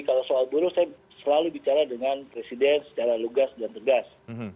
kalau soal buruh saya selalu bicara dengan presiden secara lugas dan tegas